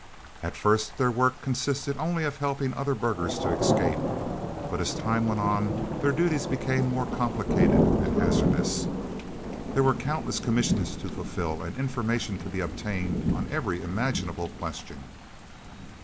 At first their work consisted only of helping other burghers to escape, but as time went on their duties became more complicated and hazardous. There were countless commissions to fulfil and information to be obtained on every imaginable question.